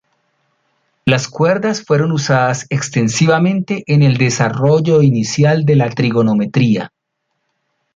Las cuerdas fueron usadas extensivamente en el desarrollo inicial de la trigonometría.